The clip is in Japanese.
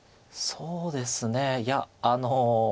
そうですねいやあの。